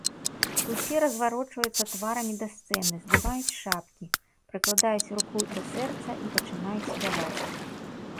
Усе разварочваюцца тварамі да сцэны, здымаюць шапкі, прыкладаюць руку да сэрца і пачынаюць спяваць.